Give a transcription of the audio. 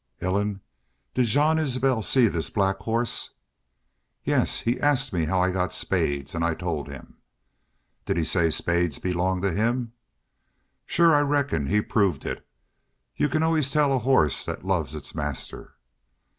"Ellen, did Jean Isbel see this black horse?" "Yes. He asked me how I got Spades an' I told him." "Did he say Spades belonged to him?" "Shore I reckon he, proved it. Y'u can always tell a horse that loves its master."